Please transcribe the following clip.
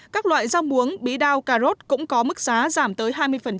các loại rau muống bí đao cà rốt cũng có mức giá giảm tới hai mươi